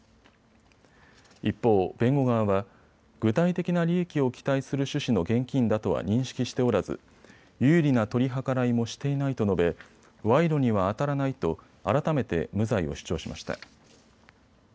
一方、弁護側は具体的な利益を期待する趣旨の現金だとは認識しておらず有利な取り計らいもしていないと述べ、賄賂にはあたらないと改めて無罪を主張しました。